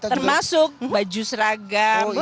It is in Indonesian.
termasuk baju seragam